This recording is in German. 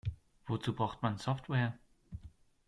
Wozu braucht man Software?